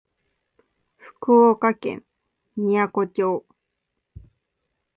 福岡県みやこ町